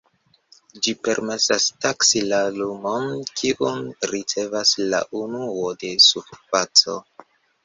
Ĝi permesas taksi la lumon, kiun ricevas la unuo de surfaco.